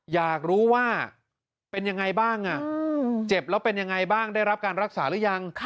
อยากรู้ว่าเป็นยังไงบ้างเจ็บแล้วเป็นยังไงบ้างได้รับการรักษาหรือยัง